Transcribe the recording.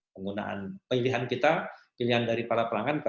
penggunaan pilihan kita pilihan dari para pelanggan